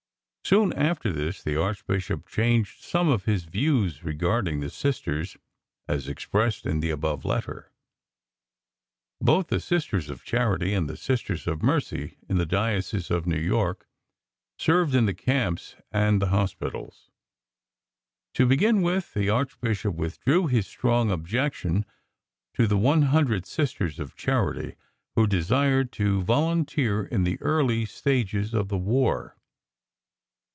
Soon after this the Archbishop changed some of his views regarding the Sisters, as expressed in the above letter. Both the Sisters of Charity and the Sisters of Mercy in the Diocese of New York served in the camps and the hospitals. To begin with, the Archbishop withdrew his "strong objection" to the one hundred Sisters of Charity who desired to volunteer in the early stages of the war.